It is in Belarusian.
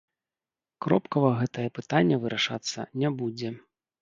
Кропкава гэтае пытанне вырашацца не будзе.